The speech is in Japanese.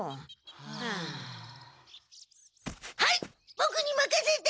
ボクにまかせて！